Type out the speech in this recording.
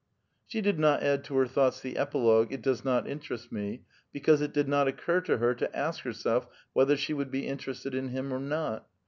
She did not add to her thoughts the epilogue, " it does not interest me," because it did not occur to her to ask herself whether she would be interested in him or not.